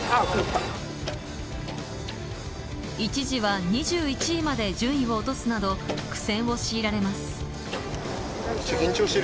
一時は２１位まで順位を落とすなど苦戦をしいられます。